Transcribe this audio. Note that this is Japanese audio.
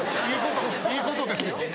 いいことですよ。